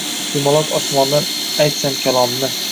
Yumaloq osmondan aytsam kalomni